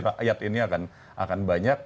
rakyat ini akan banyak